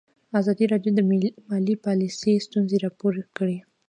ازادي راډیو د مالي پالیسي ستونزې راپور کړي.